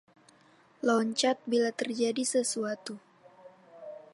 Loncat bila terjadi sesuatu.